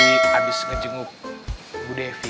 ini boy tadi abis ngejenguk bu devi